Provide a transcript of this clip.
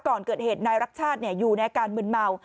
ก่อนเกิดเหตุนายรักชาติอยู่ในอาการมึนเมา